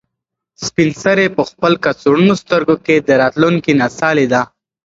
سپین سرې په خپل کڅوړنو سترګو کې د راتلونکي نڅا لیده.